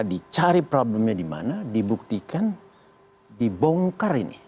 di cari problemnya di mana dibuktikan dibongkar ini